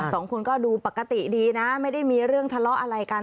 สองคนก็ดูปกติดีนะไม่ได้มีเรื่องทะเลาะอะไรกัน